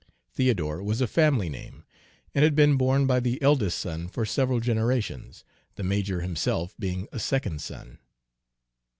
Theodore was a family name, and had been borne by the eldest son for several generations, the major himself being a second son.